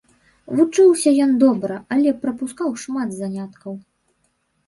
Вучыўся ён добра, але прапускаў шмат заняткаў.